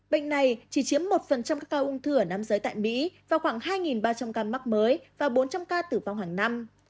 bệnh này chỉ chiếm một các ca ung thư ở nam giới tại mỹ và khoảng hai ba trăm linh ca mắc mới và bốn trăm linh ca tử vong hàng năm